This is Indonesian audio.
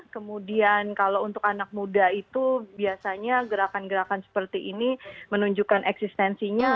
kemudian kalau untuk anak muda itu biasanya gerakan gerakan seperti ini menunjukkan eksistensinya